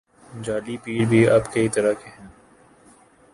جعلی پیر بھی اب کئی طرح کے ہیں۔